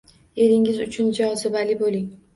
Eringiz uchun jozibali bo‘ling.